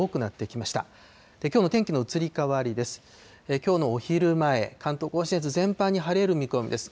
きょうのお昼前、関東甲信越、全般に晴れる見込みです。